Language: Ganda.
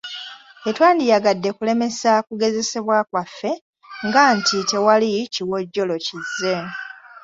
Tetwandiyagadde kulemesa kugezesebwa kwaffe nga nti tewali kiwojjolo kizze.